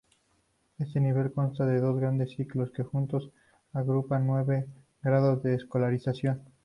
Este nivel consta de dos grandes ciclos, que juntos agrupan nueve grados de escolarización.